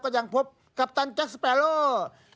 ก็ยังพบกัปตันแจ็คสเปรอร์โหลด